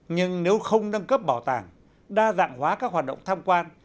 nhưng nếu không nâng cấp bảo tàng đa dạng hóa các hoạt động tham quan